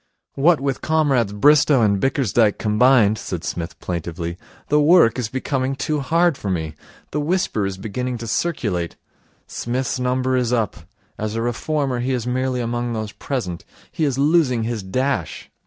'What with Comrades Bristow and Bickersdyke combined,' said Psmith plaintively, 'the work is becoming too hard for me. The whisper is beginning to circulate, "Psmith's number is up As a reformer he is merely among those present. He is losing his dash."